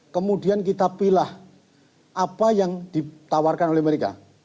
kemudian kita pilih apa yang ditawarkan oleh mereka